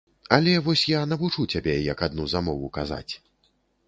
Але вось я навучу цябе, як адну замову казаць.